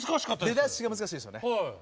出だしが難しいですよね。